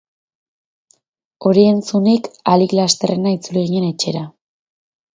Hori entzunik, ahalik lasterrena itzuli ginen etxera.